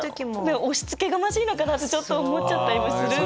押しつけがましいのかなって思っちゃったりもするんです。